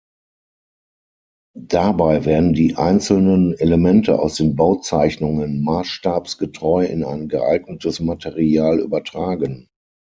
Dabei werden die einzelnen Elemente aus den Bauzeichnungen maßstabsgetreu in ein geeignetes Material übertragen.